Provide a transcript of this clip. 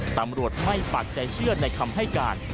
ตำรวจไม่ปักใจเชื่อในคำให้การ